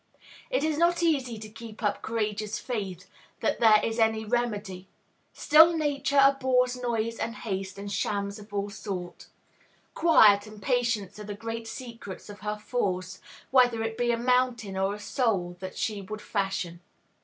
It is not easy to keep up courageous faith that there is any remedy. Still Nature abhors noise and haste, and shams of all sorts. Quiet and patience are the great secrets of her force, whether it be a mountain or a soul that she would fashion.